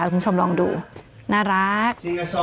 คุณผู้ชมลองดูน่ารัก